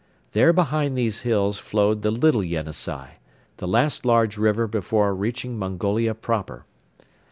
There behind these hills flowed the Little Yenisei, the last large river before reaching Mongolia proper.